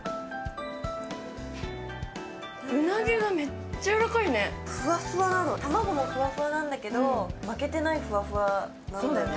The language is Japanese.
うなぎがめっちゃやわらかいねふわふわなの卵もふわふわなんだけど負けてないふわふわなんだよね